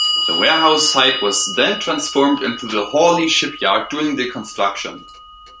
The warehouse site was then transformed into the Hawley Shipyard during the construction.